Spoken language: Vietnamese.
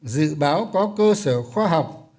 dự báo có cơ sở khoa học